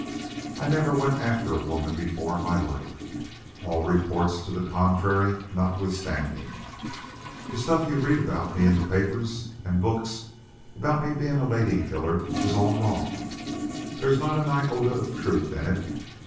"I never went after a woman before in my life, all reports to the contrary not withstanding. The stuff you read about me in the papers and books, about me being a lady killer, is all wrong. There's not an iota of truth in it.